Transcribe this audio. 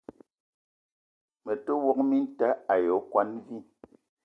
Me te wok minta ayi okwuan vi.